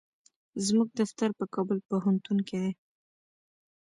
زموږ دفتر په کابل پوهنتون کې دی.